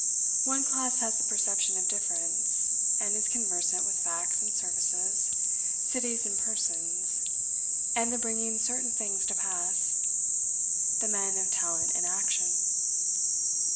One class has the perception of difference, and is conversant with facts and surfaces; cities and persons; and the bringing certain things to pass; the men of talent and action.